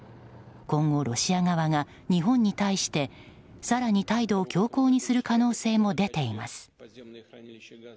今後、ロシア側が日本に対して更に態度を強硬にする可能性も出ています。